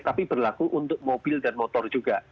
tapi berlaku untuk mobil dan motor juga